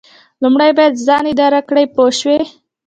لومړی باید ځان اداره کړئ پوه شوې!.